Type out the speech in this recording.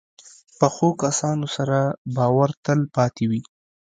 پخو کسانو سره باور تل پاتې وي